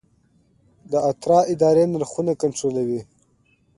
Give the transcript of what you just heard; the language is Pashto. د اترا اداره نرخونه کنټرولوي؟